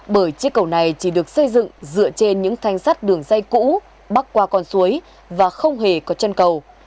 bởi chiếc cầu này chỉ được xây dựng dựa trên những thanh sắt đường dây cũ bắt qua con suối và không hề có chân cầu